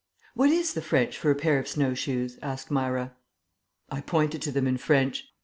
"What is the French for a pair of snow shoes?" asked Myra. "I pointed to them in French.